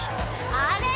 あれ？